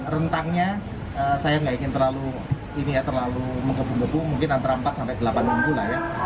rentangnya saya nggak ingin terlalu ini ya terlalu mungkin antara empat delapan minggu lah ya